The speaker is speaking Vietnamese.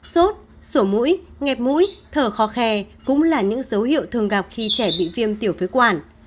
sốt sổ mũi nhẹp mũi thở khò khe cũng là những dấu hiệu thường gặp khi trẻ bị viêm tiểu phế quản